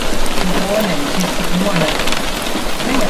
Kɔɔnɛ ŋci fik mɔ nɛkʉn.